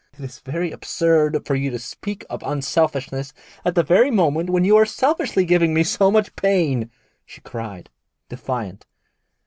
'It is very absurd for you to speak of unselfishness at the very moment when you are selfishly giving me so much pain,' she cried, defiant.